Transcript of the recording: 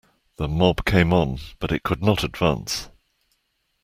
The mob came on, but it could not advance.